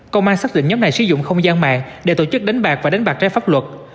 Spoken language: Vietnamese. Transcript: công an xác định nhóm này sử dụng không gian mạng để tổ chức đánh bạc và đánh bạc trái pháp luật